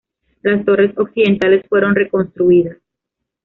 Las torres occidentales fueron reconstruidas.